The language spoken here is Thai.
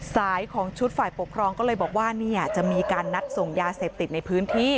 สายของชุดฝ่ายปกครองก็เลยบอกว่าเนี่ยจะมีการนัดส่งยาเสพติดในพื้นที่